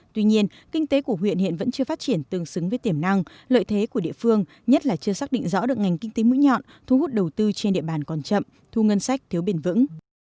tuy nhiên kinh tế của huyện hiện vẫn chưa phát triển tương xứng với tiềm năng lợi thế của địa phương nhất là chưa xác định rõ được ngành kinh tế mũi nhọn thu hút đầu tư trên địa bàn còn chậm thu ngân sách thiếu bền vững